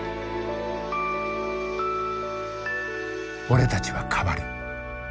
「俺たちは変わる」。